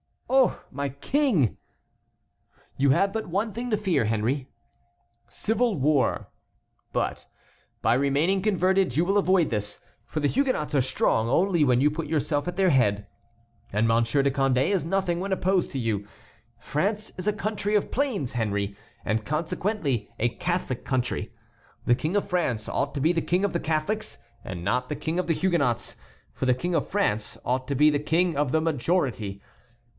"Oh, my King!" "You have but one thing to fear, Henry,—civil war; but by remaining converted you will avoid this, for the Huguenots are strong only when you put yourself at their head, and Monsieur de Condé is nothing when opposed to you. France is a country of plains, Henry, and consequently a Catholic country. The King of France ought to be the king of the Catholics and not the king of the Huguenots, for the King of France ought to be the king of the majority.